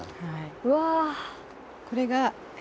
うわ。